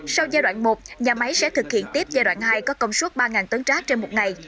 sau giai đoạn một nhà máy sẽ thực hiện tiếp giai đoạn hai có công suất ba tấn rác trên một ngày